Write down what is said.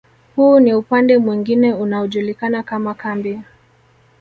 Huu ni upande mwingine unaojulikana kama kambi